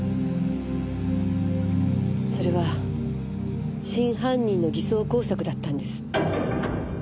それは真犯人の偽装工作だったんです。